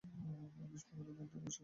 গ্রীষ্মকালের দিনটা, বৈশাখের মাঝামাঝি।